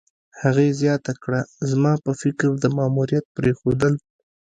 هغې زیاته کړه: "زما په فکر، د ماموریت پرېښودل